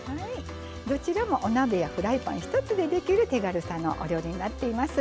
どちらもお鍋やフライパン一つでできる手軽さのお料理になっています。